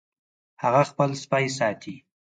هغه خپل سپی ساتي